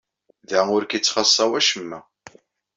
Da ur k-yettxaṣṣa wacemma.